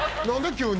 急に。